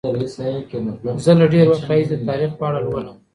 زه له ډیر وخت راهیسې د تاریخ په اړه لولم.